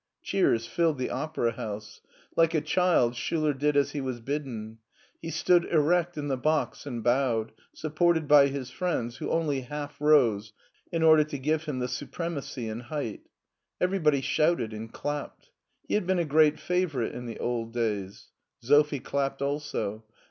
*' Cheers filled the Opera House. Like a child Schiiler did as he wa3 bidden. He stood erect in the box and bowed, supported by his friends, who only half rose in order to give him the supremacy in height. Every body shouted and clapped. He had been a great fa vorite in the old days. Sophie clapped also.